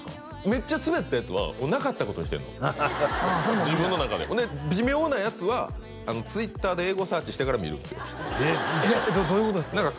めっちゃスベったやつはもうなかったことにしてるの自分の中でほんで微妙なやつはＴｗｉｔｔｅｒでエゴサーチしてから見るんですよえっ嘘やんどういうことですか？